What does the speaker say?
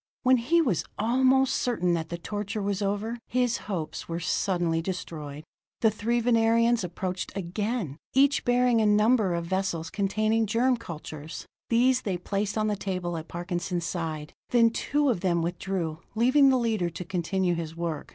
When he was almost certain that the torture was over, his hopes were suddenly destroyed. The three Venerians approached again, each bearing a number of vessels containing germ cultures. These they placed on the table at Parkinson's side; then two of them withdrew, leaving the leader to continue his work.